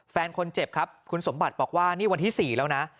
แฟนคนเจ็บครับคุณสมบัติบอกว่านี่วันที่๔แล้วนะ